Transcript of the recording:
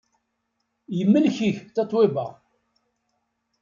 Yemlek-ik Tatoeba.